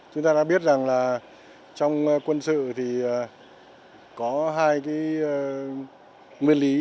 chúng ta đã biết rằng là trong quân sự thì có hai cái nguyên lý